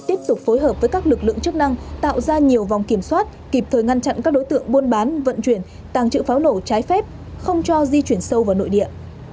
tiếp tục phối hợp với các lực lượng chức năng tạo ra nhiều vòng kiểm soát kịp thời ngăn chặn các đối tượng buôn bán vận chuyển tàng trữ pháo nổ trái phép không cho di chuyển sâu vào nội địa